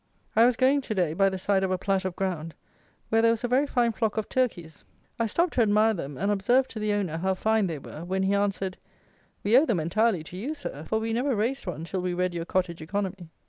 I was going, to day, by the side of a plat of ground, where there was a very fine flock of turkeys. I stopped to admire them, and observed to the owner how fine they were, when he answered, "We owe them entirely to you, Sir, for we never raised one till we read your Cottage Economy."